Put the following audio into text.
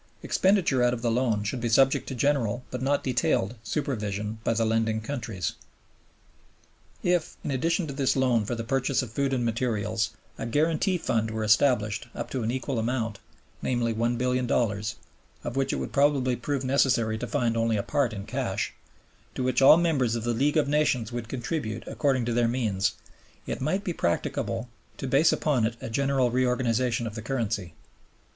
Expenditure out of the loan should be subject to general, but not detailed, supervision by the lending countries. If, in addition to this loan for the purchase of food and materials, a guarantee fund were established up to an equal amount, namely $1,000,000,000 (of which it would probably prove necessary to find only a part in cash), to which all members of the League of Nations would contribute according to their means, it might be practicable to base upon it a general reorganization of the currency.